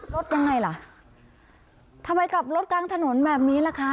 รถยังไงล่ะทำไมกลับรถกลางถนนแบบนี้ล่ะคะ